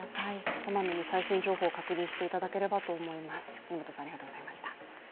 こまめに最新情報を確認していただければと思います。